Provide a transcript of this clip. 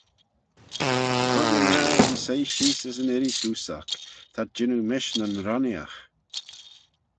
Cur-my-ner yn soie-sheese as yn irree-seose oc, t'ad jannoo mish nyn ronneeaght.